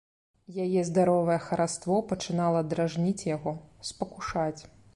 Яе здаровае хараство пачынала дражніць яго, спакушаць.